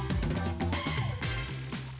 lewat cara berpakaian